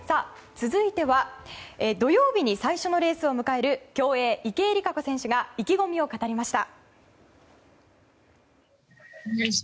続いては土曜日に最初のレースを迎える競泳、池江璃花子選手が意気込みを語りました。